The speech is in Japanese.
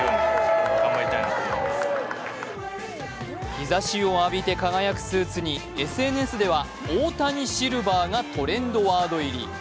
日ざしを浴びて輝くスーツにＳＮＳでは「大谷シルバー」がトレンドワード入り。